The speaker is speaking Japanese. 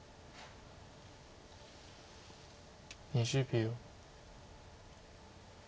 ２０秒。